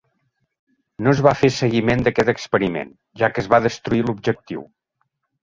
No es va fer seguiment d'aquest experiment, ja que es va destruir l'objectiu.